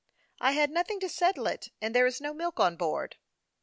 " I had nothing to settle it, and there is no milk on board."